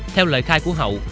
theo lời khai của hậu